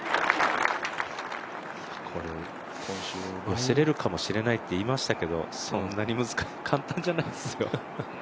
寄せられるかもしれないと言いましたけどそんなに簡単じゃないですよ。